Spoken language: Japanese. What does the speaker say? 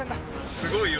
すごいよ。